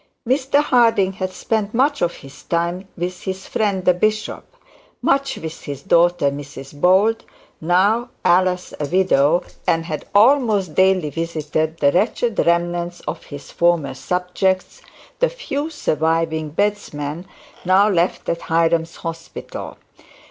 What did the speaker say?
Mr Harding had spent much of his time with his friend the bishop, much with his daughter Mrs Bold, now, alas, a widow; and had almost daily visited the wretched remnants of his former subjects, the few surviving bedesmen now left at Hiram's Hospital.